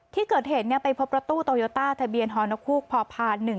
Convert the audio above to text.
ที่เกิดเหตุไปพบประตูโตโยต้าทะเบียนฮคูกพภ๑๕๕๐